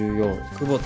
久保田。